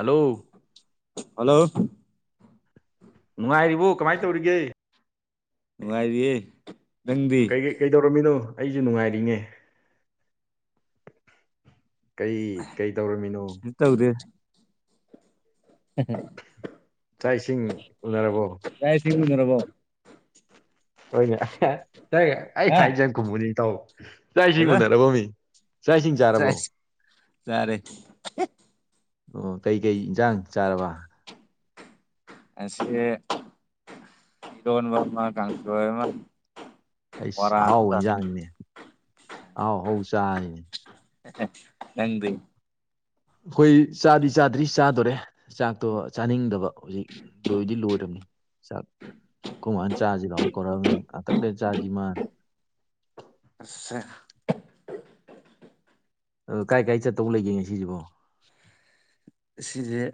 hello hello ꯅꯨꯡꯉꯥꯏꯔꯤꯕꯣ ꯀꯃꯥꯏ ꯇꯧꯔꯤꯒꯦ ꯅꯨꯡꯉꯥꯏꯔꯤꯌꯦ ꯅꯪꯗꯤ ꯀꯩ ꯀꯩ ꯀꯩꯗꯧꯔꯝꯃꯤꯅꯣ ꯑꯩꯖꯨ ꯅꯨꯡꯉꯥꯏꯔꯤꯅꯦ ꯀꯩ ꯀꯩ ꯗꯧꯔꯝꯃꯤꯅꯣ ꯀꯩꯁꯨ ꯇꯧꯗꯦ [unintelligible] ꯆꯥꯛ ꯏꯁꯤꯡ ꯎꯅꯔꯕꯣ ꯆꯥꯛ ꯏꯁꯤꯡ ꯎꯅꯔꯕꯣ ꯍꯣꯏꯌꯦ ꯇꯥꯏꯌꯦ ꯑꯩ ꯍꯥ ꯍꯥꯏꯖꯦ ꯍꯥꯟ ꯈꯨꯝꯃꯨꯅꯦ ꯏꯇꯥꯎ ꯆꯥꯛ ꯏꯁꯤꯡ ꯀꯩꯕ ꯎꯅꯔꯕ ꯃꯤ ꯆꯥꯛ ꯏꯁꯤꯡ ꯆꯥꯔꯕꯣ ꯆꯥꯔꯦ ꯑꯣ ꯀꯩꯀꯩ ꯏꯟꯖꯥꯡ ꯆꯥꯔꯕ ꯉꯁꯤ ꯏꯔꯣꯟꯕ ꯑꯃ ꯀꯥꯡꯁꯣꯏ ꯑꯃ ꯑꯩꯁ ꯕꯣꯔꯥ ꯑꯃ ꯑꯍꯥꯎ ꯇꯧꯔꯦ ꯍꯟꯖꯥꯡꯅꯦ ꯑꯍꯥꯎ ꯍꯧꯥꯎ ꯆꯥꯔꯤꯅꯦ ꯅꯪꯗꯤ ꯑꯩꯈꯣꯏ ꯆꯥꯗꯤ ꯆꯥꯗ꯭ꯔꯤ ꯆꯥꯗꯣꯔꯦ ꯆꯥꯛꯇꯣ ꯆꯥꯅꯤꯡꯗꯕ ꯍꯧꯖꯤꯛ ꯂꯣꯏꯗꯤ ꯂꯣꯏꯅꯤꯥꯛ ꯀꯃꯥꯏꯅ ꯆꯥꯔꯁꯤ ꯂꯥꯎ ꯀꯧꯛꯕꯅꯤꯅ ꯉꯥꯛꯊꯪꯗꯩ ꯆꯥꯁꯤ ꯃꯥꯥꯟꯜꯂꯤ ꯑꯦ ꯑ ꯀꯥꯏ ꯀꯥꯏ ꯆꯠꯇꯧꯕ ꯂꯩꯒꯦ ꯉ ꯁꯤꯁꯤꯕꯣ ꯁꯤꯗꯤꯦ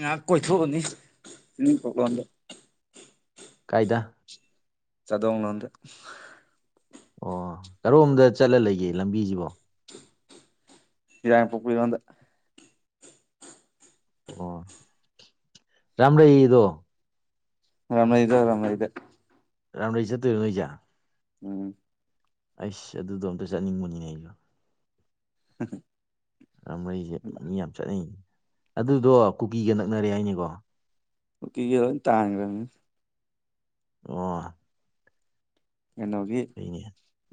ꯉꯥꯏꯍꯥꯛ ꯀꯣꯏꯊꯣꯛꯑꯅꯤ ꯆꯗ ꯀꯥꯏꯗ ꯆꯗꯣꯡꯂꯣꯝꯗ ꯑꯣ ꯀꯔꯣꯝꯗ ꯆꯠꯂ ꯂꯩꯒꯦ ꯂꯝꯕꯤꯖꯤꯕꯣ ꯁꯤ ꯌꯥꯏꯉꯪꯄꯣꯛꯄꯤꯔꯣꯝꯗ ꯑꯣ ꯔꯥꯝꯔꯩꯑꯗꯣ ꯔꯥꯝꯔꯩꯗ ꯔꯥꯝꯔꯩꯗ ꯔꯥꯝꯔꯩ ꯆꯠꯇꯣꯏꯔꯥ ꯅꯣꯏꯖꯦ ꯎꯝ ꯑꯩꯁ ꯑꯗꯨꯗꯣ ꯑꯝꯇ ꯆꯠꯅꯤꯡꯕꯅꯤꯅꯦ ꯑꯩꯖꯨ ꯃꯔꯤꯁꯦ ꯃꯤ ꯌꯥꯝ ꯆꯠꯅꯩꯅꯦ ꯑꯗꯨꯗꯣ ꯀꯨꯀꯤꯒ ꯅꯛꯅꯔꯦ ꯍꯥꯏꯅꯤꯀꯣ ꯑꯣ ꯀ ꯇꯥꯡꯉ ꯑꯣ ꯌꯦꯅꯣꯒꯤ ꯀꯅꯤ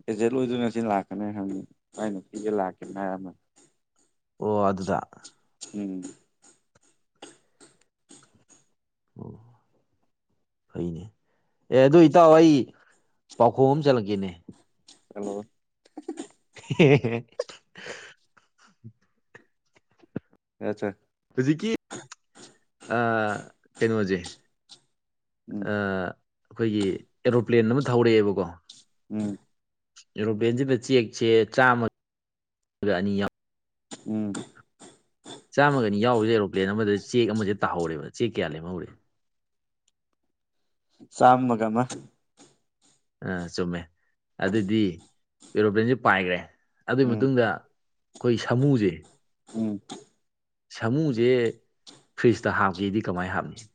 ꯑꯦꯖꯦꯠ ꯑꯣꯏꯗꯣꯏꯅ ꯁꯤ ꯂꯥꯛꯀꯅꯤ ꯍꯪꯉꯤ ꯁꯃꯥꯏꯅ ꯄꯤꯒ ꯂꯥꯛꯀꯦ ꯃꯌꯥꯝ ꯑꯃ ꯑꯣ ꯑꯗꯨꯗ ꯎꯝ ꯑꯣ ꯐꯩꯅꯦ ꯑꯦ ꯑꯗꯨ ꯏꯇꯥꯎ ꯑꯩ ꯄꯥꯎꯈꯨꯝ ꯑꯃ ꯆꯠꯂꯛꯀꯦꯅꯦ ꯑꯣ ꯍ ꯌꯥꯆꯥ ꯍꯧꯖꯤꯛꯀꯤ ꯀꯩꯅꯣꯁꯦ ꯎꯝ ꯑꯩꯈꯣꯏꯒꯤ ꯑꯦꯔꯣꯄ꯭ꯂꯦꯟ ꯑꯃ ꯊ ꯍꯧꯔꯛꯑꯦꯕꯀꯣ ꯎꯝ ꯌꯨꯔꯣꯄꯟꯁꯤꯗ ꯆꯦꯛꯁꯦ ꯆꯥꯝꯃꯒ ꯑꯅꯤ ꯌꯥꯎ ꯎꯝ ꯆꯥꯝꯃꯒꯅꯤ ꯌꯥꯎꯕꯁꯦ ꯑꯦꯔꯣꯄ꯭ꯂꯦꯟ ꯑꯃꯗ ꯆꯦꯛ ꯑꯃꯁꯦ ꯇꯥꯍꯧꯔꯦꯕ ꯆꯦꯛ ꯀꯌꯥ ꯂꯦꯝꯍꯧꯔꯦ ꯆꯝꯃꯒꯃ ꯑ ꯆꯨꯝꯃꯦ ꯑꯗꯨꯗꯤ ꯑꯦꯔꯣꯄ꯭ꯂꯦꯟꯁꯦ ꯄꯥꯏꯈ꯭ꯔꯦ ꯑꯗꯨꯒꯤ ꯎꯝ ꯃꯇꯨꯡꯗ ꯑꯩꯈꯣꯏ ꯁꯥꯃꯨꯁꯦ ꯎꯝ ꯁꯥꯃꯨꯁꯦ ꯐ꯭ꯔꯤꯖꯇ ꯍꯥꯞꯀꯦꯗꯤ ꯀꯃꯥꯏꯅ ꯍꯥꯞꯅꯤ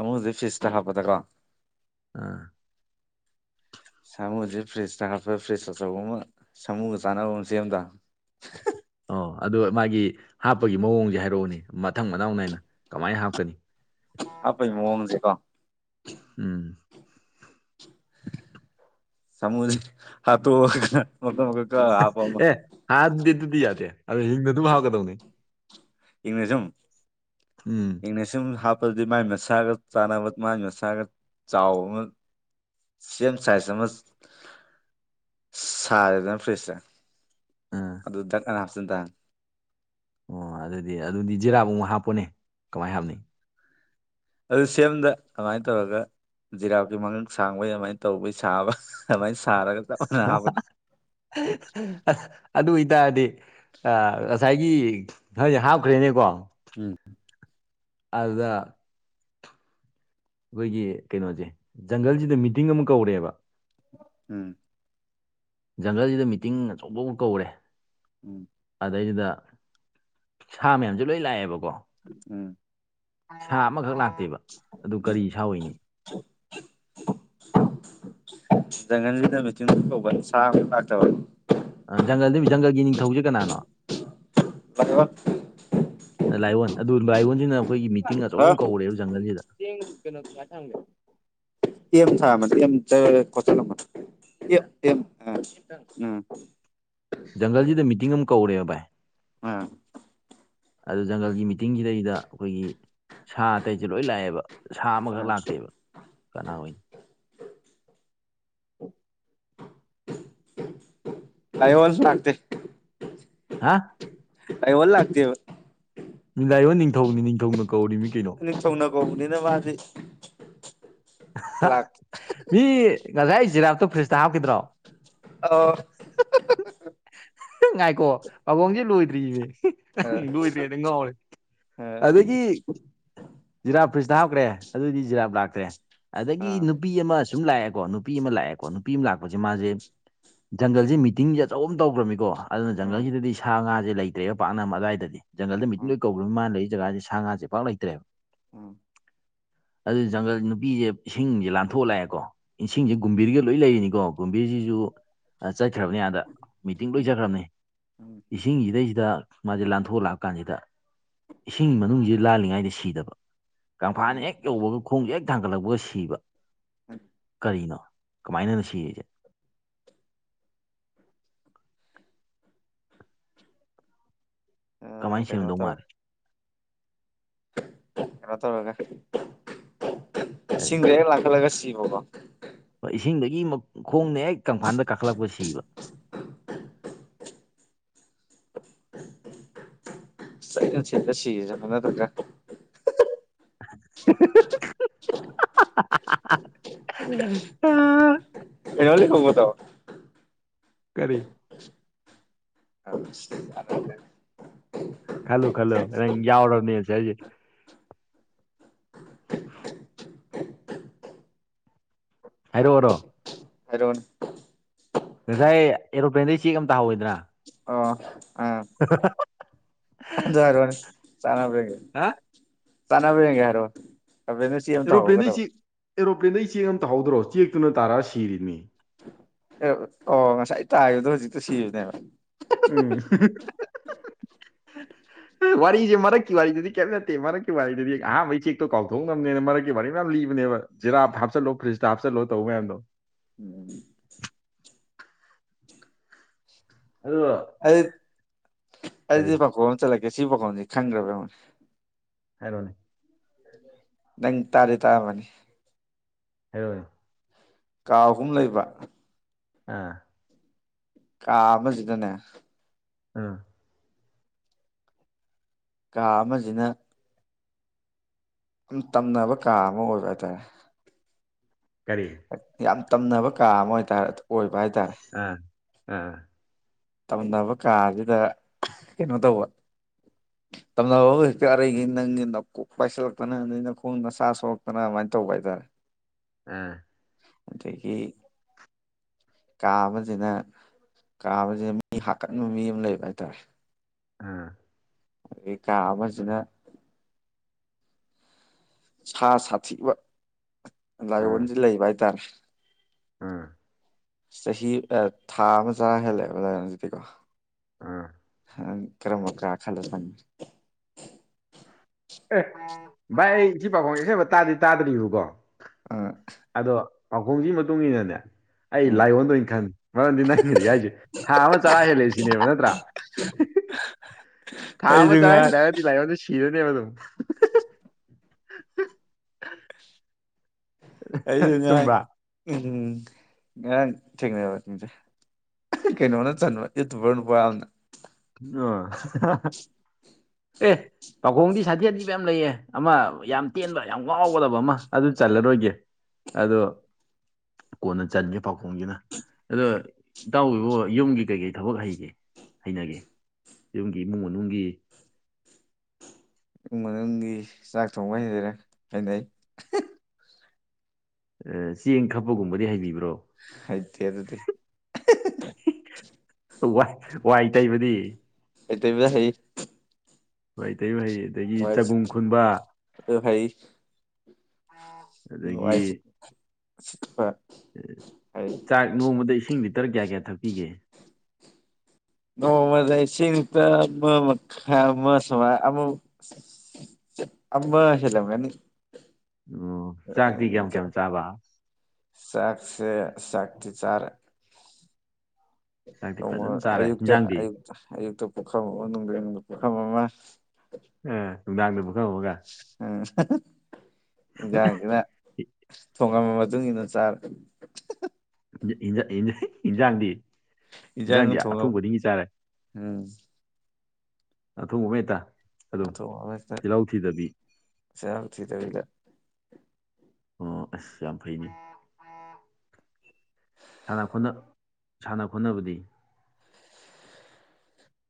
ꯑꯃꯨꯗꯦ ꯐꯤꯁ ꯇ ꯍꯥꯞꯄ ꯇ ꯀꯣ ꯎꯥ ꯁꯥꯃꯨꯁꯤ ꯐ꯭ꯔꯤꯖ ꯊꯥꯒꯠꯄ ꯐ꯭ꯔꯤꯖ ꯑꯆꯧꯕ ꯑꯃ ꯁꯥꯃꯨꯒ ꯆꯥꯟꯅꯕ ꯑꯃ ꯁꯦꯝ ꯑꯃꯗ ꯑꯣ ꯑꯗꯨ ꯃꯥꯒꯤ ꯍꯥꯞꯄꯒꯤ ꯃꯑꯣꯡꯁꯦ ꯍꯥꯏꯔꯛꯎꯅꯦ ꯃꯊꯪ ꯃꯅꯥꯎ ꯅꯥꯏꯅ ꯀꯃꯥꯏꯅ ꯍꯥꯞꯀꯅꯤ ꯑꯄ ꯃꯣꯝꯁꯤꯦꯀꯣ ꯎꯝ ꯁꯃꯨ ꯍꯥꯠꯇ ꯃ ꯑꯦ ꯍꯥꯗꯤ ꯇꯗꯤ ꯌꯥꯗꯦ ꯑꯗꯨ ꯍ ꯅ ꯑꯗꯨ ꯍꯥꯥꯎ ꯀꯗꯧꯅꯤ ꯏꯪꯅꯦꯖꯝ ꯏꯪꯅꯦꯖ [inaudible] ꯁꯨꯝ ꯍꯥꯞꯄꯗꯗꯤ ꯃꯥꯥꯏ ꯃꯁꯥꯒ ꯆꯥꯟꯅꯕ ꯃꯥꯥꯏ ꯃꯁꯥꯒ ꯆꯥꯎꯕ ꯁꯦꯝ ꯁꯥꯏꯖ ꯑꯃ ꯁꯥꯔꯦꯗꯅ ꯐ꯭ꯔꯤꯖꯁꯦ ꯑꯥ ꯑꯗꯨ ꯑꯗꯨ ꯗꯅ ꯍꯥꯞꯁꯗ [inaudible] ꯑꯣ ꯑꯗꯨꯗꯤ ꯑꯗꯨꯗꯤ ꯖꯤꯔꯥꯞ ꯑꯃꯨꯛ ꯍꯥꯞꯄꯣꯅꯦ ꯀꯃꯥꯏꯅ ꯍꯥꯞꯅꯤ ꯑꯗꯨ ꯁꯦꯌꯦꯝꯗ ꯀꯃꯥꯏꯅ ꯇꯧꯔꯒ ꯖꯤꯔꯥꯞꯀꯤ ꯃꯉꯜ ꯁꯥꯡꯕꯩ ꯑꯗꯨꯃꯥꯏꯅ ꯇꯧꯕꯩ ꯁꯥꯕ ꯑꯗꯨꯃꯥꯏꯅ ꯁꯥꯔꯒ ꯆꯞ ꯃꯥꯟꯅ ꯍꯥꯞꯄꯗ ꯑꯗꯨ ꯑꯣꯏꯇꯥꯔꯗꯤ ꯉꯁꯥꯏꯒꯤ ꯅꯣꯏꯁꯦ ꯍꯥꯞꯈ꯭ꯔꯦꯅꯦꯀꯣ ꯎꯝ ꯑꯗ ꯑꯩꯈꯣꯏꯒꯤ ꯀꯩꯅꯣꯁꯦ ꯖꯪꯒꯜꯁꯤꯗ ꯃꯤꯇꯤꯡ ꯑꯃ ꯀꯧꯔꯦꯕ ꯎꯝ ꯖꯪꯒꯜꯁꯤꯗ ꯃꯤꯇꯤꯡ ꯑꯆꯧꯕ ꯑꯃ ꯀꯧꯔꯦ ꯎꯝ ꯑꯗꯩꯗꯨꯗ ꯁꯥ ꯃꯌꯥꯝꯁꯦ ꯂꯣꯏ ꯂꯥꯛꯑꯦꯕꯀꯣ ꯎꯝ ꯁꯥ ꯑꯃꯈꯛ ꯂꯥꯛꯇꯦꯕ ꯑꯗꯨ ꯀꯔꯤ ꯁꯥ ꯑꯣꯏꯏꯅꯤ ꯖꯪꯒꯜꯁꯤꯗ ꯃꯤꯆꯤꯟ ꯀꯧꯕ ꯁꯥ ꯑꯝꯇꯁꯨ ꯂꯥꯛꯇꯕ ꯖꯪꯒꯜꯗꯨ ꯖꯪꯒꯜꯒꯤ ꯅꯤꯡꯊꯧꯁꯦ ꯀꯅꯥꯅꯣ ꯍꯜꯂꯣ ꯂꯥꯏꯑꯣꯟ ꯑꯗꯨ ꯂꯥꯏꯑꯣꯟꯁꯤꯅ ꯑꯩꯈꯣꯏꯒꯤ ꯃꯤꯇꯤꯡ ꯑꯆꯧꯕ ꯑꯃ ꯀꯧꯔꯦꯕ ꯖꯪꯒꯜꯁꯤꯗ ꯆ ꯀꯩꯅꯣ ꯊꯒ ꯆꯦꯝ ꯁꯥꯕꯣꯜꯂꯝꯕ [inaudible] ꯑ ꯎꯝ [inaudible] ꯖꯪꯒꯜꯁꯤꯗ ꯃꯤꯇꯤꯡ ꯑꯃ ꯀꯧꯔꯦꯕ ꯚꯥꯏ ꯑꯥ ꯑꯗꯨ ꯖꯪꯒꯜꯒꯤ ꯃꯤꯇꯤꯡꯁꯤꯗꯩꯗ ꯑꯩꯈꯣꯏꯒꯤ ꯁꯥ ꯑꯇꯩꯁꯦ ꯂꯣꯏ ꯂꯥꯛꯑꯦꯕ ꯁꯥ ꯑ ꯑꯃꯈꯛ ꯂꯥꯛꯇꯦꯕ ꯀꯅꯥ ꯑꯣꯏꯅꯤ ꯇꯥꯗꯔꯦ [inaudible] ꯂꯥꯢꯑꯣꯟꯁꯨ ꯂꯥꯛꯇꯦ ꯍꯥ ꯂꯥꯢꯑꯣꯟ ꯂꯥꯛꯇꯦꯕ ꯂꯥꯢꯑꯣꯟ ꯅꯤꯡꯊꯧꯅꯤ ꯅꯤꯡꯊꯧꯅ ꯀꯧꯔꯤꯃꯤ ꯀꯩꯅꯣ ꯅꯤꯡꯊꯥꯅꯥ ꯀꯧꯕꯅꯤꯅꯥ ꯃꯥꯗꯤ ꯂꯥꯛ ꯃꯤ ꯉꯁꯥꯏ ꯖꯤꯔꯥꯞꯇꯣ ꯐ꯭ꯔꯤꯖꯇ ꯍꯥꯞꯈꯤꯗ꯭ꯔꯣ ꯑꯣ ꯉꯥꯏꯈꯣ ꯄꯥꯈꯣꯡꯁꯦ ꯂꯣꯏꯗ꯭ꯔꯤꯌꯦ ꯑ ꯂꯣꯏꯔꯤꯉꯩ ꯉꯥꯎꯔꯦ ꯑ ꯑꯗꯒꯤ ꯖꯤꯔꯥꯞ ꯐ꯭ꯔꯤꯖꯇ ꯍꯥꯞꯈ꯭ꯔꯦ ꯑꯗꯨꯑꯣꯏꯗꯤ ꯖꯤꯔꯥꯞ ꯂꯥꯛꯇ꯭ꯔꯦ ꯑꯗꯒꯤ ꯑ ꯅꯨꯄꯤ ꯑꯃ ꯁꯨꯝ ꯂꯥꯛꯑꯦꯀꯣ ꯅꯨꯄꯤ ꯑꯃ ꯂꯥꯛꯑꯦꯀꯣ ꯅꯨꯄꯤ ꯑꯃ ꯂꯥꯛꯄꯁꯦ ꯃꯥꯁꯦ ꯖꯪꯒꯜꯁꯦ ꯃꯤꯇꯤꯡꯁꯦ ꯑꯆꯧꯕ ꯇꯧꯈ꯭ꯔꯕꯃꯤꯀꯣ ꯑꯗꯨꯅ ꯎꯝ ꯖꯪꯒꯜꯁꯤꯗꯗꯤ ꯁꯥ ꯉꯥꯁꯦ ꯂꯩꯇ꯭ꯔꯦꯕ ꯄꯥꯛꯅ ꯑꯗꯨꯋꯥꯏꯗꯗꯤ ꯖꯪꯒꯜꯗ ꯃꯤꯇꯤꯡ ꯎꯝ ꯀꯧꯒ꯭ꯔꯝꯅꯤꯅ ꯃꯥꯅ ꯂꯩꯔꯤ ꯖꯒꯥꯁꯦ ꯁꯥ ꯉꯥꯁꯦ ꯄꯥꯛ ꯂꯩꯇ꯭ꯔꯦꯕ ꯎꯝ ꯑꯗꯨ ꯖꯪꯒꯜ ꯅꯨꯄꯤꯁꯦ ꯏꯁꯤꯡꯁꯦ ꯂꯥꯟꯊꯣꯛ ꯂꯥꯛꯑꯦꯀꯣ ꯏꯁꯤꯡꯁꯦ ꯎꯝ ꯒꯨꯝꯕꯤꯔꯒ ꯂꯣꯏ ꯂꯩꯔꯤꯅꯤꯀꯣ ꯒꯣꯝꯕꯤꯔꯖꯤꯁꯨ ꯆꯠꯈ꯭ꯔꯕꯅꯦ ꯑꯗꯥ ꯃꯤꯇꯤꯡ ꯂꯣꯏ ꯆꯠꯈ꯭ꯔꯕꯅꯦ ꯎꯝ ꯎꯝ ꯏꯁꯤꯡꯁꯤꯗꯩꯁꯤꯗ ꯃꯥꯁꯦ ꯂꯥꯟꯊꯣꯛꯂꯛꯑ ꯀꯥꯟꯁꯤꯗ ꯏꯁꯤꯡ ꯃꯅꯨꯡꯁꯤ ꯂꯥꯜꯂꯤꯉꯥꯏꯗ ꯁꯤꯗꯕ ꯀꯪꯐꯥꯥꯟ ꯍꯦꯛ ꯌꯧꯕꯒ ꯈꯣꯡꯁꯦ ꯍꯦꯛ ꯊꯥꯡꯒꯠꯂꯛꯄꯒ ꯁꯤꯕ ꯍ [inaudible] ꯀꯔꯤꯅꯣ ꯀꯃꯥꯏꯅꯅꯣ ꯁꯤꯔꯤꯁꯦ ꯎꯝ ꯀꯃꯥꯏ ꯀꯩꯅꯣ ꯁꯤꯔꯝꯗꯧ ꯃꯥꯜꯂꯤ ꯇꯧꯔꯒ ꯀꯩꯅꯣ ꯇꯧꯔꯒ ꯀꯔꯤ ꯏꯁꯤꯡꯗꯒ ꯂꯥꯛꯀꯠꯂꯒ ꯁꯤꯕꯀꯣ ꯍꯣꯢ ꯏꯁꯤꯡꯗꯒꯤ ꯈꯣꯡꯅ ꯍꯦꯛ ꯀꯪꯐꯥꯟꯗ ꯀꯥꯈꯠꯂꯛꯄ ꯁꯤꯕ [unintelligible] [unintelligible] [unintelligible] ꯀꯔꯤ [inaudible] ꯈꯜꯂꯨ ꯈꯜꯂꯨ ꯅꯪ ꯌꯥꯎꯔꯝꯅꯤ ꯑꯟꯁꯔꯁꯦ ꯍꯥꯏꯔꯛꯑꯣꯔꯣ ꯍꯥꯏꯔꯛ ꯑꯣꯅꯦ ꯉꯁꯥꯏ ꯑꯦꯔꯣꯄ꯭ꯂꯦꯟꯗꯩ ꯆꯦꯛ ꯑꯃ ꯇꯥꯍꯧꯏꯗꯅ ꯑꯣ ꯑꯥ ꯇꯥꯀꯣ [inaudible] ꯑꯗꯨꯗ ꯍꯥꯏꯔꯣ ꯋꯥꯅꯤ ꯆꯅꯦ ꯑ ꯆꯅꯕ ꯌꯦꯦ ꯍꯥꯏꯔ [inaudible] ꯑꯦꯔꯣꯄ꯭ꯂꯦꯟꯗꯩ ꯆꯦꯛ ꯑꯦꯔꯣꯄ꯭ꯂꯦꯟꯗꯩ ꯆꯦꯛ ꯑꯃ ꯇꯍꯧꯗ꯭ꯔꯣ ꯆꯦꯛꯇꯨꯅ ꯇꯥꯔꯛ ꯁꯤꯔꯤꯅꯤ ꯑꯦ ꯑꯣ ꯉꯁꯥꯏ ꯇꯥꯕꯗꯣ ꯍꯧꯖꯤꯛꯇ ꯁꯤꯔꯤꯅꯦꯕ ꯎꯝ ꯋꯥꯔꯤꯁꯦ ꯃꯔꯛꯀꯤ ꯋꯥꯔꯤꯗꯨꯗꯤ ꯀꯔꯤꯝ ꯅꯠꯇꯦ ꯃꯔꯛꯀꯤ ꯋꯥꯔꯤꯗꯨꯗꯤ ꯑꯍꯥꯟꯕꯩ ꯆꯦꯛꯇꯣ ꯀꯥꯎꯊꯣꯛ ꯅꯕꯅꯦꯅ ꯃꯔꯛꯀꯤ ꯋꯥꯔꯤ ꯃꯌꯥꯝ ꯂꯤꯕꯅꯦꯕ ꯖꯤꯔꯥꯞ ꯍꯥꯞꯆꯥꯜꯂꯣ ꯐ꯭ꯔꯤꯖꯇ ꯍꯥꯞꯆꯥꯜꯂꯣ ꯇꯧꯕ ꯃꯌꯥꯝꯗꯣ ꯎꯝ ꯑꯗꯨꯗꯣ ꯑꯩ ꯑꯩꯗꯤ ꯄꯥꯈꯣꯡ ꯑꯃ ꯆꯠꯂꯛꯀꯦ ꯁꯤ ꯄꯥꯈꯣꯡꯁꯤ ꯈꯪꯗ꯭ꯔꯕꯥ ꯌꯦꯡꯉꯨꯅꯦ ꯍꯥꯏꯔꯣꯅꯦ ꯅꯪ ꯇꯥꯗꯤ ꯇꯥꯔꯝꯃꯅꯤ ꯍꯥꯢꯔꯛꯑꯣꯅꯦ ꯀꯥ ꯑꯍꯨꯝ ꯂꯩꯕ ꯑꯥ ꯀꯥ ꯑꯃꯁꯤꯗꯅꯦ ꯑꯥ ꯀꯥ ꯑꯃꯖꯤꯅ ꯌꯥꯝ ꯇꯝꯅꯕ ꯀꯥ ꯑꯃ ꯑꯣꯏꯕ ꯍꯥꯏꯇꯥꯔꯦ ꯀꯔꯤ ꯌꯥꯝ ꯇꯝꯅꯕ ꯀꯥ ꯑꯃ ꯑꯣꯏꯇꯥꯔꯦ ꯑꯣꯏꯕ ꯍꯥꯏꯇꯥꯔꯦ ꯑꯥ ꯑꯥ ꯇꯝꯅꯕ ꯀꯥꯁꯤꯗ ꯀꯩꯅꯣ ꯇꯧꯕ [unintelligible] ꯇꯝꯅꯕ ꯑꯃ ꯍꯦꯛꯇ ꯑꯔꯩꯒꯤ ꯅꯪꯒꯤ ꯅꯀꯣꯛ ꯄꯥꯏꯁꯤꯜꯂꯛꯇꯅ ꯑꯗꯩ ꯅꯈꯣꯡ ꯅꯁꯥ ꯁꯣꯛꯂꯛꯇꯅ ꯑꯗꯨꯃꯥꯏꯅ ꯇꯧꯕ ꯍꯥꯏꯇꯥꯔꯦ ꯑꯥ ꯑꯗꯒꯤ ꯀꯥ ꯑꯃꯁꯤꯅ ꯀꯥ ꯁꯤ ꯃꯤ ꯍꯥꯠꯀꯟꯕ ꯃꯤ ꯑꯃ ꯂꯩꯕ ꯍꯥꯏꯇꯥꯔꯦ ꯑꯥ ꯑꯗꯩ ꯀꯥ ꯑꯃꯁꯤꯅ ꯁꯥ ꯁꯥꯊꯤꯕ ꯂꯥꯏꯑꯣꯟꯁꯦ ꯂꯩꯕ ꯍꯥꯏꯇꯥꯔꯦ ꯎꯝ ꯆꯍꯤ ꯊꯥ ꯑꯃ ꯆꯔꯥ ꯍꯦꯜꯂꯛꯑꯦꯕ ꯑꯗꯨꯗꯤ ꯀꯣ ꯑꯥ ꯅꯪ ꯀꯔꯝꯕ ꯀ ꯈꯜ ꯆꯪꯅꯤ ꯑꯦ ꯚꯥꯏ ꯑꯩ ꯁꯤ ꯄꯥꯈꯣꯡꯁꯦ ꯑꯁꯦꯡꯕ ꯇꯥꯗꯤ ꯇꯥꯗ꯭ꯔꯤꯕꯀꯣ ꯑ ꯑꯗꯣ ꯄꯈꯣꯡꯒꯤ ꯃꯇꯨꯡ ꯏꯟꯅꯅꯦ ꯑꯩꯖꯦ ꯑꯥ ꯂꯥꯏꯑꯣꯟ ꯑꯣꯏꯅ ꯈꯟ ꯃꯔꯝꯗꯤ ꯅꯪ ꯍꯨꯖꯤꯛ ꯍꯥꯏꯖꯦ ꯊꯥ ꯑꯃ ꯆꯔꯥ ꯍꯦꯜꯂꯦ ꯁꯤꯅꯦꯕ ꯅꯠꯇ꯭ꯔꯥ [unintelligible] ꯊꯥ ꯑꯩꯁꯨ ꯑꯃ ꯆꯔꯥ ꯉꯔꯥꯡ ꯍꯦꯜꯂꯦ ꯍꯥꯏꯔꯗꯤ ꯂꯥꯏꯑꯣꯟꯗꯣ ꯁꯤꯔꯅꯦꯕ ꯑꯗꯨꯝ ꯍꯨꯡ ꯍꯨꯡ ꯑꯩꯁꯨ ꯉꯔꯥꯡ ꯆꯨꯝꯕ꯭ꯔꯥ ꯎꯝ ꯉꯔꯥꯡ ꯊꯦꯡꯅꯕꯅꯤꯗ ꯑꯍ ꯀꯩꯅꯣꯅ ꯆꯟꯕ ꯌꯨꯇꯨꯕꯔ ꯅꯨꯄꯥ ꯑꯝꯅ ꯑ ꯑꯍ ꯍ ꯍꯥ ꯍ ꯑꯦ ꯄꯥꯎꯈꯣꯡꯗꯤ ꯁꯥꯊꯤ ꯁꯥꯊꯤꯕ ꯌꯥꯝ ꯂꯩꯑꯦ ꯑꯃ ꯌꯥꯝ ꯇꯦꯟꯕ ꯌꯥꯝ ꯉꯥꯎꯒꯗꯕ ꯑꯃ ꯑꯗꯨ ꯆꯜꯂꯔꯣꯏꯒꯦ ꯑꯗꯣ ꯀꯣꯟꯅ ꯆꯟꯒꯦ ꯄꯥꯎꯈꯣꯡꯖꯤꯅ ꯑꯗꯣ ꯏꯇꯥꯎꯕꯤꯕꯨ ꯌꯨꯝꯒꯤ ꯀꯩꯀꯩ ꯊꯕꯛ ꯍꯩꯒꯦ ꯍꯩꯅꯒꯦ ꯌꯨꯝꯒꯤ ꯏꯃꯨꯡ ꯃꯅꯨꯡꯒꯤ ꯏꯃꯨꯡ ꯃꯅꯨꯡꯒꯤ ꯆꯥꯛ ꯊꯣꯡꯕ ꯍꯥꯏꯅꯩ ꯆꯦꯡ ꯈꯞꯄꯒꯨꯝꯕꯗꯤ ꯍꯩꯕꯤꯕ꯭ꯔꯣ ꯍꯩꯇꯦ ꯑꯗꯨꯗꯤ ꯋꯥ ꯋꯥꯏ ꯇꯩꯕꯗꯤ [unintelligible] ꯍꯩ ꯋꯥꯢ ꯇꯩꯕ ꯍꯩ ꯑꯗꯒꯤ ꯋꯥꯏ ꯆꯒꯨꯝ ꯈꯨꯟꯕ ꯁꯤꯠꯄ ꯑꯣ ꯑꯗꯒꯤ ꯋꯥꯏ ꯁꯤ ꯁꯤꯠꯄ ꯍꯩ ꯆꯥꯛ ꯅꯣꯡꯃꯗ ꯏꯁꯤꯡ ꯂꯤꯇꯔ ꯀꯌꯥ ꯀꯌꯥ ꯊꯛꯄꯤꯒꯦ ꯅꯣꯡꯃꯗ ꯏꯁꯤꯡ ꯂꯤꯇꯔ ꯑꯃ ꯃꯈꯥꯏ ꯑꯃ ꯁꯨꯃꯥꯏ ꯑꯃꯨꯛ ꯑꯃ ꯍꯦꯜꯂꯝꯃꯅꯤ ꯎꯝ ꯆꯥꯛꯇꯤ ꯀꯌꯥꯝ ꯀꯌꯥꯝ ꯆꯥꯕ ꯆꯥꯛꯁꯦ ꯑꯁ ꯆꯥꯛꯇꯤ ꯆꯥꯔꯦ ꯆꯥꯛꯇꯤ ꯅꯣꯡꯃ ꯐꯖꯅ ꯆꯥꯔꯦ ꯑꯌꯨꯛꯇ ꯏꯟꯖꯥꯡꯗꯤ ꯑꯌꯨꯛꯇ ꯑꯌꯨꯛꯇ ꯄꯨꯈꯝ ꯑꯃ ꯅꯨꯡꯗꯤꯟꯗ ꯄꯨꯈꯝ ꯑꯃ ꯑ ꯅꯨꯡꯗꯥꯡꯗ ꯄꯨꯈꯝ ꯑꯃꯒ ꯎꯝ ꯑꯍ ꯍ ꯍ ꯏꯟꯖꯥꯡꯁꯤꯅ ꯊꯣꯡꯉꯝꯝꯕ ꯃꯇꯨꯡ ꯏꯟꯅ ꯆꯥꯔ ꯏꯟꯖꯥ ꯏꯟꯖꯥ ꯏꯟꯖꯥ ꯍꯤ ꯏꯟꯖꯥꯡꯗꯤ ꯏꯟꯖꯥꯡꯅ ꯏꯟꯖꯥꯡꯗꯤ ꯑꯊꯣꯡ ꯊꯣꯡꯉꯝ ꯈꯨꯗꯤꯡꯒꯤ ꯆꯥꯔꯦ ꯎꯝ ꯑꯊꯣꯡꯕ ꯑꯃꯍꯦꯛꯇ ꯑꯊꯣꯡꯕ ꯑꯃꯍꯦꯛꯇ ꯆꯤꯜꯍꯥꯎ ꯊꯤꯗꯕꯤꯗ ꯑꯣ ꯑꯁ ꯌꯥꯝ ꯐꯩꯅꯦ ꯁꯥꯅ ꯈꯣꯠꯅ ꯁꯥꯟꯅ ꯈꯣꯠꯅꯕꯗꯤ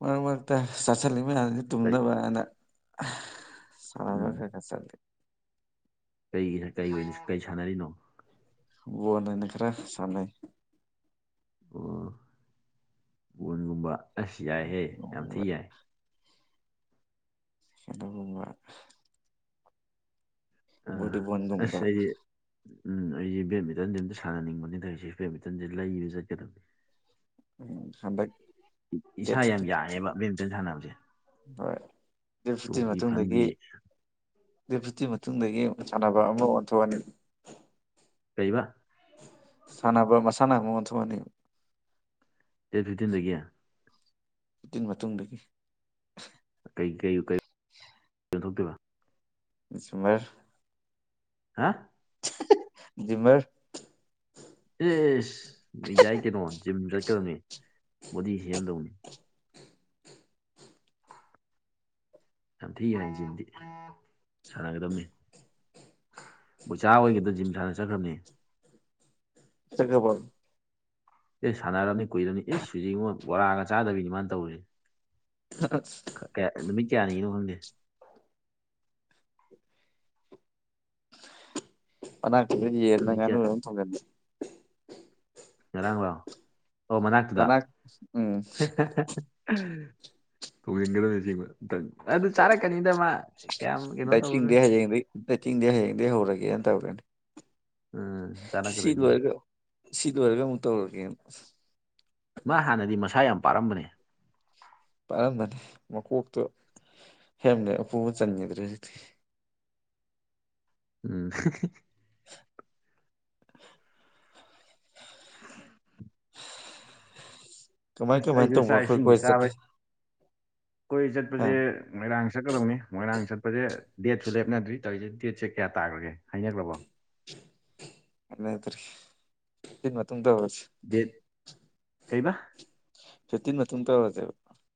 ꯃꯔꯛ ꯃꯔꯛꯇ ꯆꯥꯁꯤꯜꯂꯤ ꯃꯌꯥꯝꯁꯤ ꯀꯩ ꯇꯨꯝꯅꯕꯥꯅ ꯑꯍ ꯁꯥꯟꯅꯕ ꯎꯝ ꯈꯔ ꯈꯔ ꯆꯠꯂꯤ ꯀꯩꯒꯤ ꯀꯩ ꯑꯣꯏꯅ ꯀꯩ ꯁꯥꯟꯅꯔꯤꯅꯣ ꯕꯣꯟ ꯑꯣꯏꯅ ꯈꯔ ꯁꯥꯟꯅꯩ ꯑꯣ ꯕꯣꯟꯒꯨꯝꯕ ꯑꯁ ꯌꯥꯏꯍꯦ ꯌꯥꯝ ꯊꯤ ꯒꯨꯝꯕ ꯌꯥꯏ ꯑꯗꯨꯒꯨꯝꯕ ꯑꯁ ꯑ ꯕꯣꯂꯤꯕꯣꯜꯒꯨꯝꯕ ꯑꯁ ꯑꯩꯗꯤ ꯎꯝ ꯑꯩꯖꯦ ꯕꯦꯠꯃꯤꯟꯇꯟꯗꯤ ꯑꯝꯇ ꯁꯥꯟꯅꯅꯤꯡꯕꯅꯤ ꯇꯧꯏꯖꯦ ꯕꯦꯠꯃꯤꯟꯇꯟꯖꯦ ꯂꯩꯕ ꯆꯠꯀꯗꯕꯅꯤ ꯎꯝ ꯍꯟꯗꯛ ꯗꯦꯠ ꯏꯁꯥ ꯌꯥꯝ ꯌꯥꯡꯉꯦꯕ ꯕꯦꯠꯃꯤꯟꯇꯟ ꯁꯥꯟꯅꯕꯖꯦ ꯍꯣꯏ ꯗꯦꯠ ꯐꯤꯞꯇꯤꯟ ꯃꯇꯨꯡꯗꯒꯤ ꯐꯟꯕꯤ ꯗꯦꯠ ꯐꯤꯞꯇꯤꯟ ꯃꯇꯨꯡꯗꯒꯤ ꯁꯥꯟꯅꯕ ꯑꯃ ꯑꯣꯟꯊꯣꯛꯑꯅꯤ ꯀꯩꯕ ꯁꯥꯟꯅꯕ ꯃꯁꯥꯟꯅ ꯑꯃꯨꯛ ꯑꯣꯟꯊꯣꯛꯑꯅꯤ ꯗꯦꯠ ꯐꯤꯞꯇꯤꯟꯗꯒꯤ ꯐꯤꯞꯇꯤꯟ ꯃꯇꯨꯡꯗꯒꯤ ꯀꯩ ꯀꯩ ꯀꯩ ꯊꯣꯛꯇꯣꯏꯕ ꯁꯨꯃꯔ ꯍꯥ ꯖꯤꯝꯃꯔ ꯑꯦꯁ ꯌꯥꯏ ꯀꯩꯅꯣ ꯖꯤꯝ ꯆꯠꯀꯗꯕꯅꯤ ꯕꯣꯗꯤ ꯁꯦꯝꯗꯧꯅꯤ ꯌꯥꯝ ꯊꯤꯅ ꯌꯥꯢ ꯖꯤꯝꯗꯤ ꯁꯥꯟꯅꯒꯗꯝꯅꯤ ꯕꯣꯢꯆꯥ ꯑꯣꯏꯒꯤꯗ ꯖꯤꯝ ꯁꯥꯟꯅ ꯆꯠꯈ꯭ꯔꯝꯅꯤ ꯆꯠꯈ꯭ꯔꯕꯣ ꯢꯁ ꯁꯥꯟꯅꯔꯝꯅꯤ ꯀꯨꯏꯔꯝꯅꯤ ꯢꯁ ꯍꯨꯖꯤꯛꯉꯣ ꯕꯣꯔꯥꯒ ꯆꯥꯗꯕꯤꯅꯤ ꯃꯥꯅ ꯇꯧꯔꯤ ꯑꯁ ꯀꯌꯥ ꯅꯨꯃꯤꯠ ꯀꯌꯥꯅꯤꯒꯤꯅꯣ ꯈꯪꯗꯦ ꯃꯅꯥꯛꯇꯨꯗ ꯌꯦꯜꯅ ꯅꯨꯃꯤꯠ ꯀꯌꯥ ꯉꯥꯅꯨꯔ ꯑꯃ ꯊꯣꯡꯖꯟꯕ ꯉꯔꯥꯡꯂꯣ ꯑꯣ ꯃꯅꯥꯛꯇꯨꯗ ꯑꯍ ꯃꯅꯥꯛ ꯎꯝ ꯊꯣꯡꯍꯟꯒꯗꯅꯦ ꯑꯁꯦꯡꯕ ꯑꯝꯇꯪ ꯑꯗꯨ ꯆꯥꯔꯛꯀꯅꯤꯗ ꯃꯥ ꯀꯌꯥꯝ ꯀꯩꯅꯣ ꯇꯧꯔꯨꯅꯨ ꯗꯥꯏꯇꯤꯡꯗꯤ ꯍꯌꯦꯡꯗꯩ ꯗꯥꯏꯇꯤꯡꯗꯤ ꯍꯌꯦꯡꯗꯩ ꯍꯧꯔꯒꯦꯅ ꯇꯧꯔꯦꯅꯦ ꯎꯝ ꯁꯤ ꯆꯥꯔꯛꯀꯗꯣꯏꯅꯤ ꯑꯗꯨꯝ ꯂꯣꯏꯔꯒ ꯁꯤ ꯑꯣꯏꯔꯒ ꯑꯃꯨꯛ ꯇꯧꯔꯒꯦꯅ ꯃꯥ ꯍꯥꯟꯅꯗꯤ ꯃꯁꯥ ꯌꯥꯝ ꯄꯥꯔꯝꯕꯅꯦ ꯄꯥꯔꯝꯕꯅꯦ ꯃꯀꯣꯛꯇꯣ ꯍꯦꯝꯂꯦꯠ ꯎꯞꯄꯕꯨ ꯆꯟꯈꯤꯗ꯭ꯔꯦ ꯍꯧꯖꯤꯛꯇꯤ ꯎꯝ ꯍꯤ ꯍꯤ ꯂꯧꯁꯤꯟꯕ ꯉꯝꯗꯕ ꯀꯃꯥꯏ ꯑꯁ ꯀꯃꯥꯏ ꯑꯩꯁꯨ ꯇꯧꯕ ꯆꯥꯛ ꯑꯩꯈꯣꯏ ꯏꯁꯤꯡꯒꯤ ꯀꯣꯏ ꯆꯥꯕꯩ ꯆꯠꯄꯖꯦ ꯀꯣꯏ ꯆꯠꯄꯖꯦ ꯃꯣꯏꯔꯥꯡ ꯆꯠꯀꯗꯧꯅꯤ ꯃꯣꯏꯔꯥꯡ ꯆꯠꯄꯖꯦ ꯗꯦꯠꯁꯨ ꯂꯦꯞꯅꯗ꯭ꯔꯤ ꯇꯧꯔꯤꯁꯦ ꯗꯦꯠꯁꯦ ꯀꯌꯥ ꯇꯥꯈ꯭ꯔꯒꯦ ꯍꯥꯏꯅꯈ꯭ꯔꯕꯣ ꯀꯥꯅꯗ꯭ꯔꯦ ꯐꯤꯞꯇꯤꯟ ꯃꯇꯨꯡ ꯇꯧꯔꯁꯤ ꯗꯦꯠ ꯀꯩꯕ ꯐꯤꯞꯇꯤꯟ ꯃꯇꯨꯡ ꯇꯧꯔꯁꯦꯕ